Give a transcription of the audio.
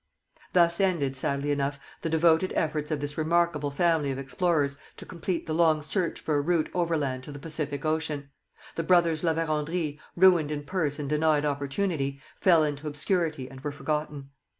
Thus ended, sadly enough, the devoted efforts of this remarkable family of explorers to complete the long search for a route overland to the Pacific ocean. The brothers La Vérendrye, ruined in purse and denied opportunity, fell into obscurity and were forgotten.